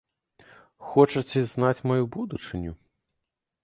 Хочаце знаць маю будучыню?